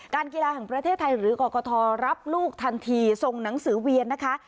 กีฬาแห่งประเทศไทยหรือกรกฐรับลูกทันทีส่งหนังสือเวียนนะคะ